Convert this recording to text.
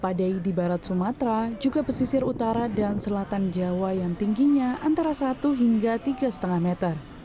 padai di barat sumatera juga pesisir utara dan selatan jawa yang tingginya antara satu hingga tiga lima meter